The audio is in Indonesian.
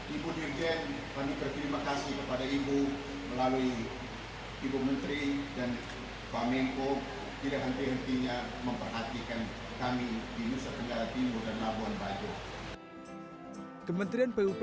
ibu dirjen kami berterima kasih kepada ibu melalui ibu menteri dan pak menko tidak henti hentinya memperhatikan kami di nusa tenggara timur dan labuan bajo